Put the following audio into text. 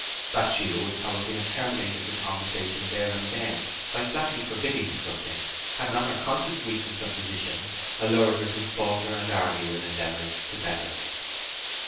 Bathsheba would probably have terminated the conversation there and then by flatly forbidding the subject, had not her conscious weakness of position allured her to palter and argue in endeavours to better it.